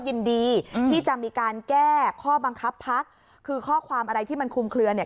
ยินดีที่จะมีการแก้ข้อบังคับพักคือข้อความอะไรที่มันคุมเคลือเนี่ย